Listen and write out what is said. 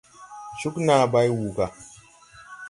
Cúg naa bay wùu gà.